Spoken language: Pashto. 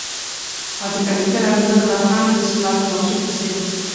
او د کمپیوټر انځور لاهم د سلاټ ماشین په څیر و